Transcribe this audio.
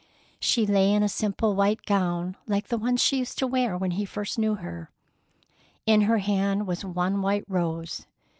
She lay in a simple white gown like the one she used to wear when he first knew her. In her hand was one white rose.